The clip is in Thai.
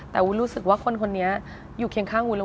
แต่วุ้นรู้สึกว่าคนคนนี้อยู่เคียงข้างวุ้น